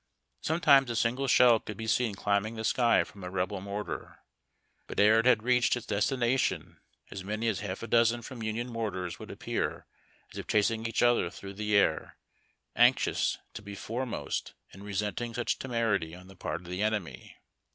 Sometimes a single shell could be seen climbing the sky from a Rebel mortar, but ere it had reached its destination as many as half a dozen from Union mortars would appear as if chasing each other tlirough the air, anxious to be foremost 60 HARD TACK AND COFFEE. in resenting such temerity on the part of the enemy.